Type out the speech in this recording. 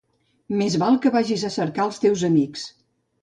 Més val que vagis a cercar els teus amics.